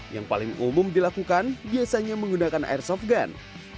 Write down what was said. yang paling umum dilakukan biasanya menggunakan airsoft gun